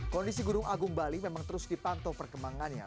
kondisi gunung agung bali memang terus dipantau perkembangannya